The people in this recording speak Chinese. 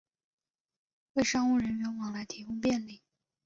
为商务人员往来提供便利